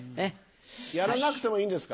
やらなくてもいいんですか。